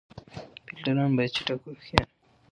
فیلډران باید چټک او هوښیار يي.